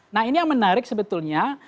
nah ini yang menarik sebetulnya